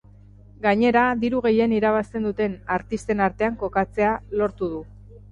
Gainera, diru gehien irabazten duten artisten artean kokatzea lortu du.